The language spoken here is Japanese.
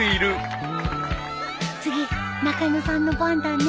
次中野さんの番だね。